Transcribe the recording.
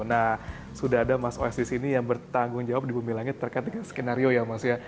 nah sudah ada mas os di sini yang bertanggung jawab di bumi langit terkait dengan skenario ya mas ya